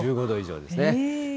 １５度以上ですね。